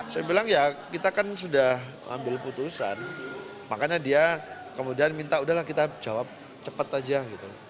saya bilang ya kita kan sudah ambil putusan makanya dia kemudian minta udahlah kita jawab cepat aja gitu